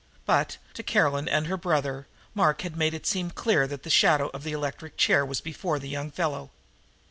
But, to Caroline and her brother, Mark had made it seem clear that the shadow of the electric chair was before the young fellow.